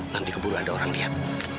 nanti keburu ada orang lihat